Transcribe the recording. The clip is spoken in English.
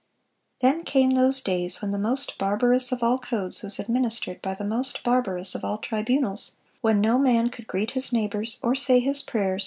(416) "Then came those days when the most barbarous of all codes was administered by the most barbarous of all tribunals; when no man could greet his neighbors or say his prayers